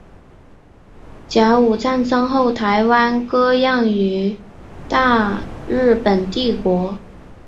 甲午战争后台湾割让予大日本帝国。